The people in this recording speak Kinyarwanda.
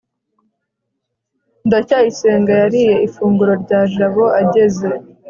ndacyayisenga yariye ifunguro rya jabo ageze